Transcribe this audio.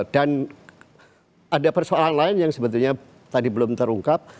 dan ada persoalan lain yang sebetulnya tadi belum terungkap